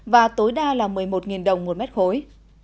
và tối đa là một mươi một đồng một mét khối